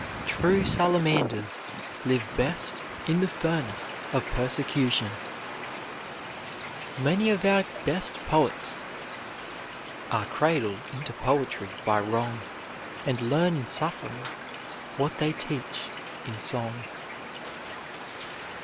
True salamanders live best in the furnace of persecution. Many of our best poets "Are cradled into poetry by wrong, And learn in suffering what they teach in song."